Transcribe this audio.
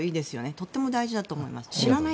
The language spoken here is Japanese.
とても大事だと思います。